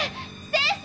先生！